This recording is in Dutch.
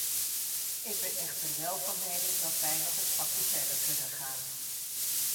Ik ben echter wel van mening dat wij nog een stapje verder kunnen gaan.